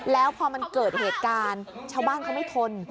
แล้วพอมันเกิดเหตุการณ์ชาวบ้านเขาไม่ทน